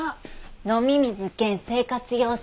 飲み水兼生活用水。